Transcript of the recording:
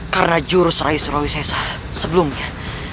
karena jurus rais rosesa sebelumnya